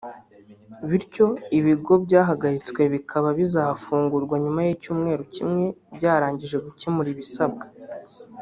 bityo ibigo byahagaritswe bikaba bizafungurwa nyuma y’icyumweru kimwe byarangije gukemura ibisabwa